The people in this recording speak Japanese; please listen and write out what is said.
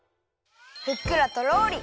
ふっくらとろり